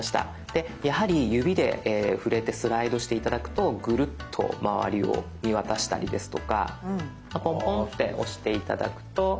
でやはり指で触れてスライドして頂くとグルッと周りを見渡したりですとかポンポンって押して頂くと。